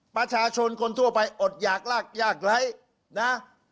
ประชาชนคนทั่วไปอดหยากยากไร้นะ